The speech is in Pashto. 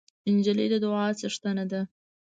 نجلۍ د دعاوو څښتنه ده.